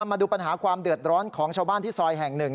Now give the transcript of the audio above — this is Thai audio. มาดูปัญหาความเดือดร้อนของชาวบ้านที่ซอยแห่งหนึ่ง